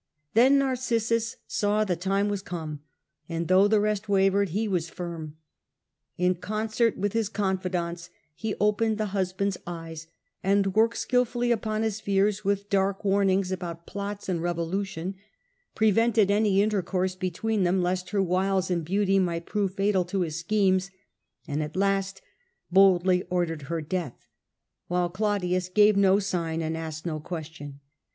Then Narcissus saw the time was come, and, though the rest wavered, he was firm. In concert with his confidants he opened the hus band's eyes, and worked skilfully upon his teiircfau fears with dark warnings about plots and dius, revolution ; prevented any intercourse be tween them, lest her wiles and beauty might prove and procures Scheme, and at Iasi boldly her death. ordered her death, while Claudius gave no sign and asked no question.